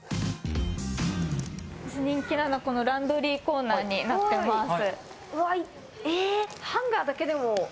人気なのはランドリーコーナーになっております。